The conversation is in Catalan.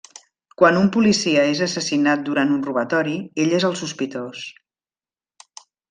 Quan un policia és assassinat durant un robatori, ell és el sospitós.